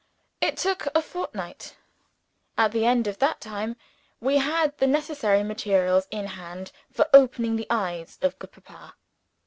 It took a fortnight. At the end of that time, we had the necessary materials in hand for opening the eyes of good Papa.